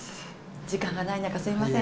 時間がない中すいません